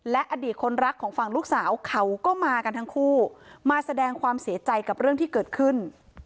และอดีตคนรักของฝั่งลูกสาวเขาก็มากันทั้งคู่มาแสดงความเสียใจกับเรื่องที่เกิดขึ้น